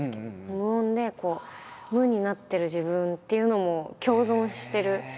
無音でこう無になってる自分っていうのも共存してる感じがありますね。